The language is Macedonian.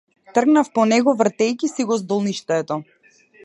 Тргнав по него, вртејќи си го здолништето.